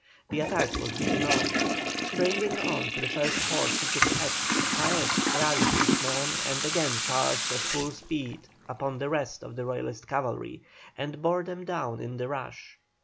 The attack was beaten off. Springing on to the first horse he could catch, Paez rallied his men and again charged at full speed upon the rest of the Royalist cavalry, and bore them down in the rush.